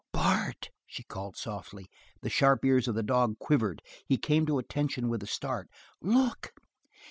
"Bart!" she called softly. The sharp ears of the dog quivered; he came to attention with a start. "Look!